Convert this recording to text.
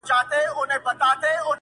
خپل جنون په کاڼو ولم-